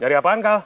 dari apaan kal